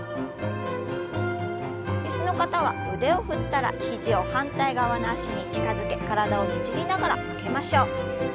椅子の方は腕を振ったら肘を反対側の脚に近づけ体をねじりながら曲げましょう。